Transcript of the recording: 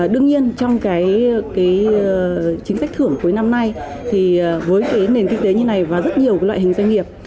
đương nhiên trong cái chính sách thưởng cuối năm nay thì với cái nền kinh tế như này và rất nhiều loại hình doanh nghiệp